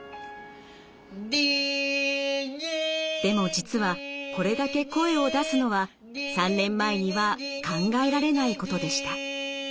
でも実はこれだけ声を出すのは３年前には考えられないことでした。